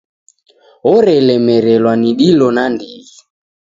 Orelemerelwa ni dilo nandighi.